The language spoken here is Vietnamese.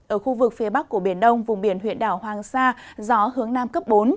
ở khu vực phía bắc của biển đông vùng biển huyện đảo hoàng sa gió hướng nam cấp bốn